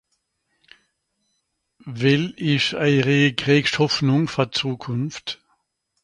Well ìsch ejeri greescht Hoffnung fer d'Zukunft?